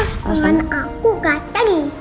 terus teman aku gak tadi